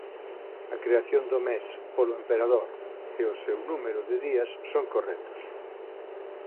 A creación do mes polo emperador e o seu número de días son correctos.